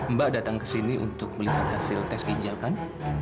mbak datang kesini untuk melihat hasil tes ginjal kan